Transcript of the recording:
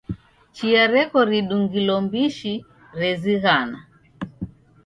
Chia reko ridungilo mbishi rezighana.